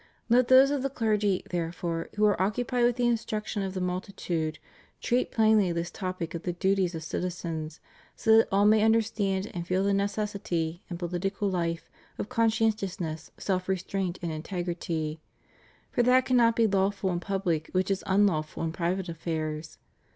Let those of the clergy, therefore, who are occupied with the instruction of the multitude, treat plainly this topic of the duties of citizei^s, so that all may understand and feel the neces sity, in political life, of conscientiousness, self restraint, and integrity; for that cannot be lawful in public which is unlawful in private affairs.